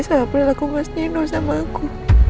salah pelaku mas nino sama aku